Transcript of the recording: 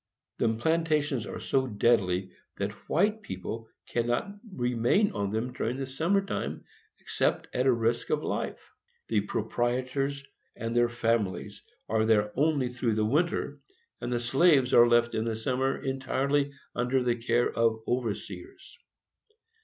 The plantations are so deadly that white people cannot remain on them during the summer time, except at a risk of life. The proprietors and their families are there only through the winter, and the slaves are left in the summer entirely under the care of the overseers.